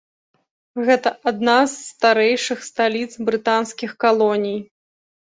Гэта адна з старэйшых сталіц брытанскіх калоній.